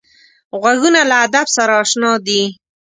غوږونه له ادب سره اشنا دي